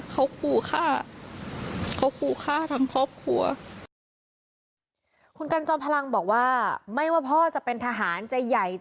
กลัวน่ะกลัวน่ะเขากู้ค่ะเขากู้ค่าทั้งครอบครัว